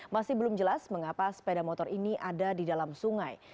masih belum jelas mengapa sepeda motor ini ada di dalam sungai